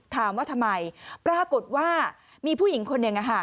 ถามว่าทำไมปรากฏว่ามีผู้หญิงคนหนึ่ง